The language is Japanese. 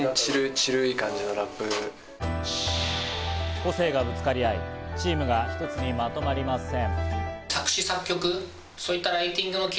個性がぶつかり合い、チームが一つにまとまりません。